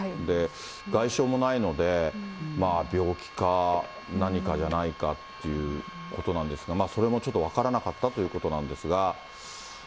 外傷もないので、病気か何かじゃないかっていうことなんですが、それもちょっと分からなかったということなんですが。